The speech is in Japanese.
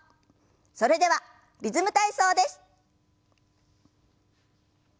それでは「リズム体操」です。